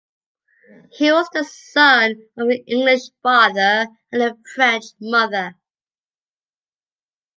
He was the son of an English father and a French mother.